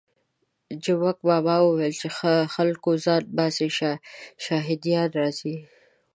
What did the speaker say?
جومک ماما ویل چې خلکو ځان باسئ شهادیان راځي.